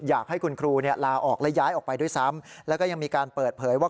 อยากให้คุณครูลาออกและย้ายออกไปด้วยซ้ำแล้วก็ยังมีการเปิดเผยว่า